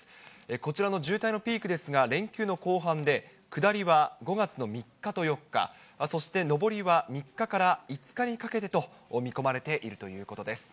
こちらの渋滞のピークですが、連休の後半で下りは５月の３日と４日、そして上りは３日から５日にかけてと見込まれているということです。